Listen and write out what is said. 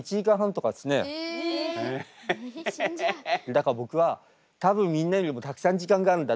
だから僕は多分みんなよりもたくさん時間があるんだ。